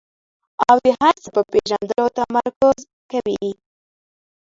او د هر څه په پېژندلو تمرکز کوي.